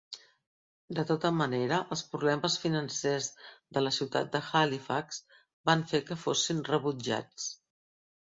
De tota manera, els problemes financers de la ciutat de Halifax van fer que fossin rebutjats.